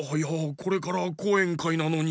これからこうえんかいなのに。